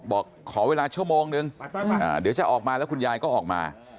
บอกขอเวลาชั่วโมงนึงเดี๋ยวจะออกมาแล้วคุณยายก็ออกมา